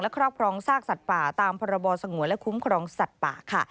และครอบครองซากสัตว์ป่าตามพศและคุ้มครองสัตว์ป่า